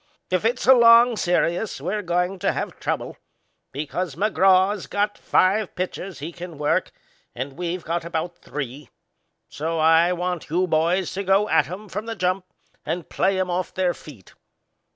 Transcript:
If it's a long serious we're goin' to have trouble, because McGraw's got five pitchers he can work and we've got about three; so I want you boys to go at 'em from the jump and play 'em off their feet.